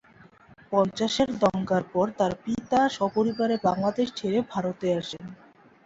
পঞ্চাশের দাঙ্গার পর তার পিতা সপরিবারে বাংলাদেশ ছেড়ে ভারতে আসেন।